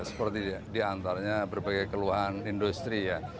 seperti di antaranya berbagai keluhan industri ya